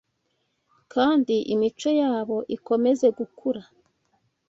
kandi imico yabo ikomeze gukura.